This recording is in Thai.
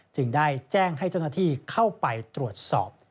จึงได้แจ้งให้เจ้าหน้าที่เข้าไปตรวจสอบ